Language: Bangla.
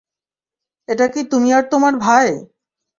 এটা কি তুমি আর তোমার ভাই?